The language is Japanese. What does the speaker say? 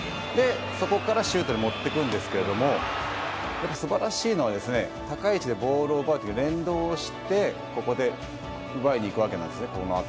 そこからシュートに持っていくんですけど素晴らしいのは高い位置でボールを奪う時に連動して奪いに行くわけです。